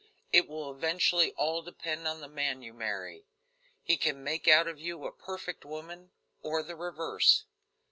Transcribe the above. It will eventually all depend upon the man you marry. He can make out of you a perfect woman, or the reverse."